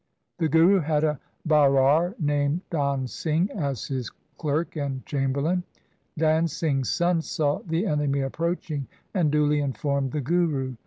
The Guru had a Bairar named Dan Singh as his clerk and chamberlain. Dan Singh's son saw the enemy approaching, and duly informed the Guru.